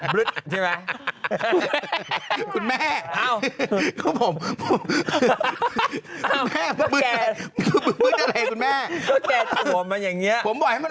บลึ๊ดใช่ไหม